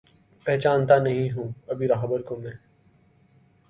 پہچانتا نہیں ہوں ابھی راہبر کو میں